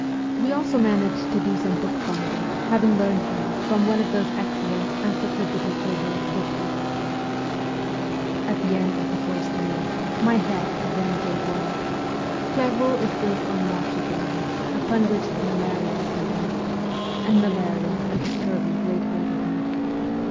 We also managed to do some bookbinding, having learned how from one of those excellent Encyclopedic Koret booklets. At the end of the first year, however, my health again gave way. Clairvaux is built on marshy ground, upon which malaria is endemic, and malaria, with scurvy, laid hold of me.